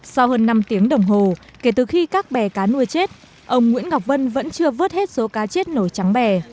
sau hơn năm tiếng đồng hồ kể từ khi các bè cá nuôi chết ông nguyễn ngọc vân vẫn chưa vớt hết số cá chết nổi trắng bè